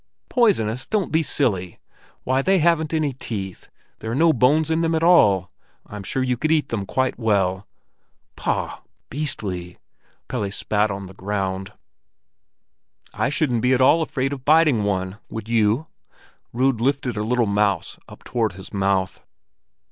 "Poisonous! Don't be silly! Why, they haven't any teeth! There are no bones in them at all; I'm sure you could eat them quite well." "Pah! Beastly!" Pelle spat on the ground. "I shouldn't be at all afraid of biting one; would you?" Rud lifted a little mouse up toward his mouth.